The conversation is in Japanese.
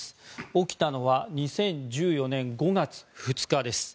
起きたのは２０１４年５月２日です。